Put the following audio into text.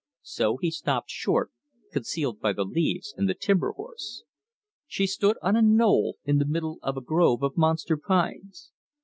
So he stopped short, concealed by the leaves and the timber horse. She stood on a knoll in the middle of a grove of monster pines.